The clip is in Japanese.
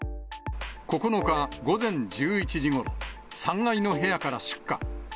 ９日午前１１時ごろ、３階の部屋から出火。